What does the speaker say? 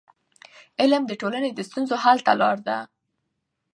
علم د ټولنې د ستونزو حل ته لار ده.